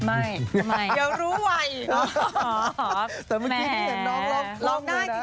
อ๋อแต่เมื่อกี้ที่เห็นน้องร้องเพลงเลยนะ